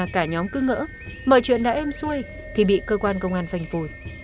cả nhóm cứ ngỡ mọi chuyện đã êm xuôi thì bị cơ quan công an phanh phùi